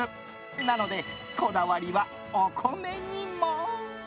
なので、こだわりはお米にも。